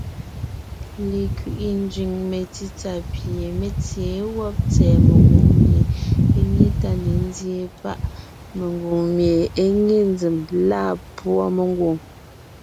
Lekẅiʼi nzẅìŋ metsítsà pie mé tsěen wɔ́b tsɛ̀ɛ megwòŋ mie é nyé tá ne nzyéen páʼ mengwòŋ mie é nye nzèm lâ púɔ mengwòŋ.